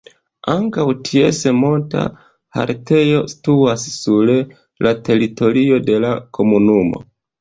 Ankaŭ ties monta haltejo situas sur la teritorio de la komunumo.